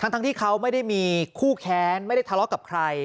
ทั้งที่เขาไม่ได้มีคู่แค้นไม่ได้ทะเลาะกับใคร